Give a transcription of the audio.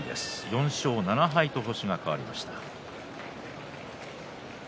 ４勝７敗と星が変わりました。